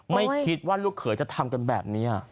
ไม่คิดว่าลูกเขยจะทำกันแบบนี้